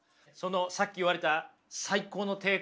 さっき言われた最高の抵抗をね